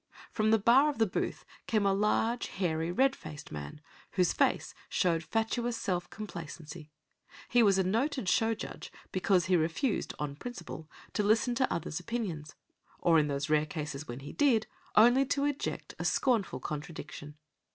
From the bar of the booth came a large, hairy, red faced man, whose face showed fatuous self complacency. He was a noted show judge because he refused, on principle, to listen to others' opinions; or in those rare cases when he did, only to eject a scornful contradiction.